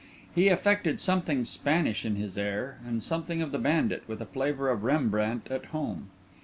He affected something Spanish in his air, and something of the bandit, with a flavour of Rembrandt at home.